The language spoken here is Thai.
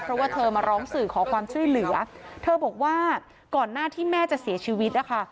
เพราะว่าเธอมาร้องสื่อขอความช่วยเหลือเธอบอกว่าก่อนหน้าที่แม่จะเสียชีวิตนะคะ